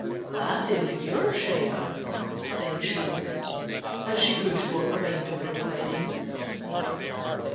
"That is your share," said she, as she pushed what remained over to Reddy.